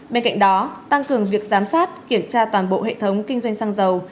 bên cạnh đó tăng cường việc giám sát kiểm tra toàn bộ hệ thống kinh doanh xăng dầu